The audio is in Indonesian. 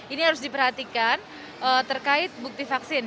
ini harus diperhatikan terkait bukti vaksin